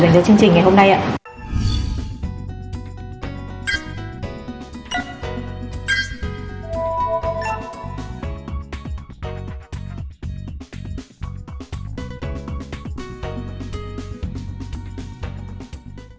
dành cho chương trình ngày hôm nay ạ